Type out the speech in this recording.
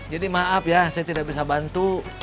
jadi maaf ya saya tidak bisa bantu